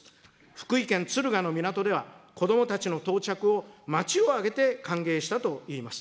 福井県敦賀の港では、子どもたちの到着を、町を挙げて歓迎したといいます。